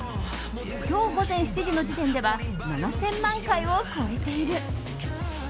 今日午前７時の時点では７０００万回を超えている。